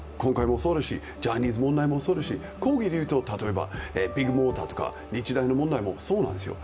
ジャニーズ問題もそうですし広義でいうとビッグモーターとか、日大の問題もそうなんですよ。